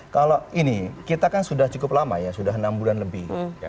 kalau ini kita kan sudah cukup lama ya sudah enam bulan lebih